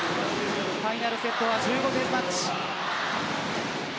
ファイナルセットは１５点マッチ。